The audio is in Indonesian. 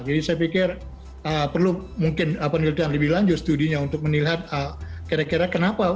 jadi saya pikir perlu mungkin penelitian lebih lanjut studinya untuk menilai kira kira kenapa